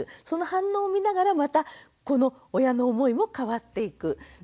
その反応を見ながらまたこの親の思いも変わっていく。